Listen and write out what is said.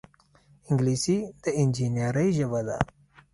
انګلیسي د انجینرۍ ژبه ده